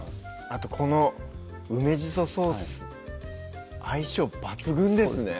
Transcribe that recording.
あとこの梅じそソース相性抜群ですね